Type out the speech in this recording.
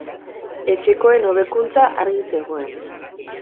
Etxekoen hobekuntza argi zegoen.